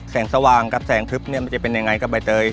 แสงสว่างกับแสงทึบมันจะเป็นยังไงกับใบเตย